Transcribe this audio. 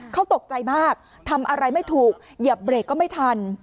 เขาตกใจมากทำอะไรไม่ถูกเหยียบเบรกก็ไม่ทัน